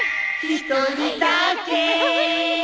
「一人だけ」